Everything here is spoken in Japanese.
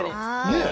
ねえ？